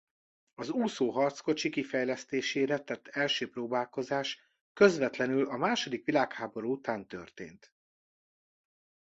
Az úszó harckocsi kifejlesztésére tett első próbálkozás közvetlenül a második világháború után történt.